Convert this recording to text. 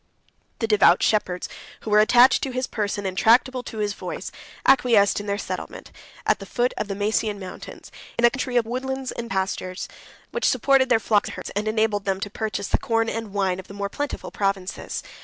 76 The devout shepherds, who were attached to his person, and tractable to his voice, acquiesced in their settlement, at the foot of the Maesian mountains, in a country of woodlands and pastures, which supported their flocks and herds, and enabled them to purchase the corn and wine of the more plentiful provinces.